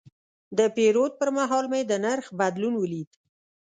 د پیرود پر مهال مې د نرخ بدلون ولید.